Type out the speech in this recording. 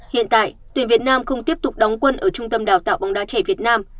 hiện tại tuyển việt nam không tiếp tục đóng quân ở trung tâm đào tạo bóng đá trẻ việt nam